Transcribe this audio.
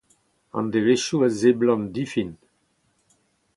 An devezhioù a seblant difin.